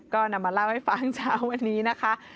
ก็นำมาเล่าให้ฟังเช้าวันนี้นะคะ